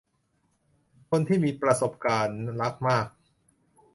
คนที่มีประสบการณ์รักมาก